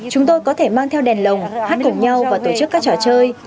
chúng tôi có thể mang theo đèn lồng hát cùng nhau và tổ chức các trò chơi